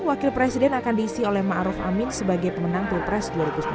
wakil presiden akan diisi oleh ma'ruf amin sebagai pemenang pilpres dua ribu sembilan belas